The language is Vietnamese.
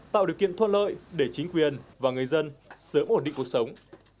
tạo điều kiện thuận lợi để chính quyền và người dân sớm ổn định cuộc sống